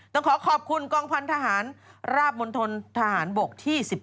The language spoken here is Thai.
ต้องขอขอบคุณกองพันธหารราบมณฑลทหารบกที่๑๒